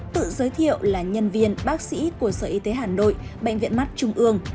tự giới thiệu là nhân viên bác sĩ của sở y tế hà nội bệnh viện mắt trung ương